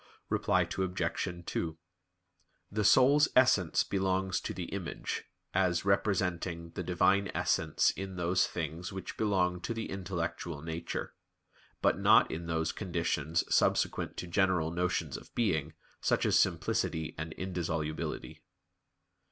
Reply Obj. 2: The soul's essence belongs to the "image," as representing the Divine Essence in those things which belong to the intellectual nature; but not in those conditions subsequent to general notions of being, such as simplicity and indissolubility.